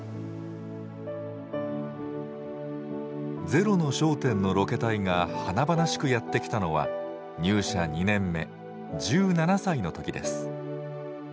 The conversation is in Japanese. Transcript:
「ゼロの焦点」のロケ隊が華々しくやって来たのは入社２年目１７歳の時です。